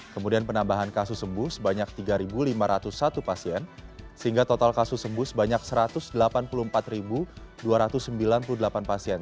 kemudian penambahan kasus sembuh sebanyak tiga lima ratus satu pasien sehingga total kasus sembuh sebanyak satu ratus delapan puluh empat dua ratus sembilan puluh delapan pasien